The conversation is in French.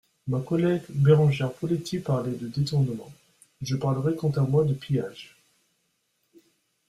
Ma collègue Berengère Poletti parlait de détournement, je parlerai quant à moi de pillage.